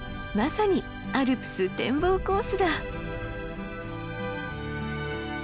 まさにアルプス展望コースだ！